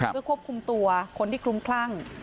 เพื่อควบคุมตัวคนที่คลุ้มคลั่ง